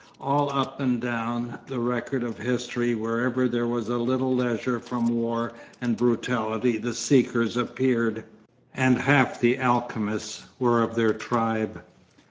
All up and down the record of history whenever there was a little leisure from war and brutality the seekers appeared. And half the alchemists were of their tribe.